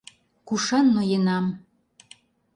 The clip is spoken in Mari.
Кушан ноенам